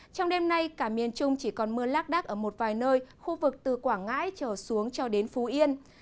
trong đêm nay cả miền trung chỉ còn mưa lác đắc ở một vài nơi khu vực từ quảng ngãi trở xuống cho đến phú yên